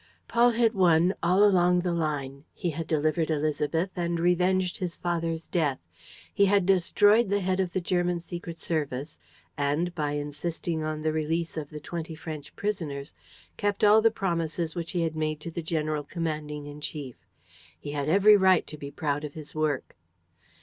Paul had won all along the line. He had delivered Élisabeth and revenged his father's death. He had destroyed the head of the German secret service and, by insisting on the release of the twenty French prisoners, kept all the promises which he had made to the general commanding in chief. He had every right to be proud of his work.